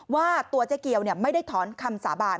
ว่าตัวเจ๊เกียวไม่ได้ถอนคำสาบาน